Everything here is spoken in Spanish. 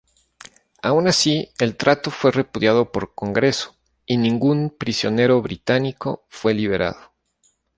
Aun así, el trato fue repudiado por Congreso, y ningún prisionero británicos fue liberado.